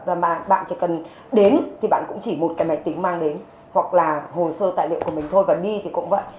và bạn chỉ cần đến thì bạn cũng chỉ một cái máy tính mang đến hoặc là hồ sơ tài liệu của mình thôi và đi thì cũng vậy